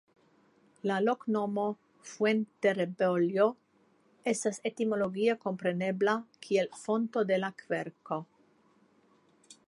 La loknomo "Fuenterrebollo" estas etimologie komprenebla kiel Fonto de la Kverko.